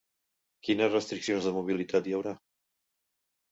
Quines restriccions de mobilitat hi haurà?